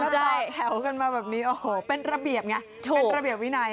ถ้าเราแถวกันมาแบบนี้โอ้โฮเป็นระเบียบไง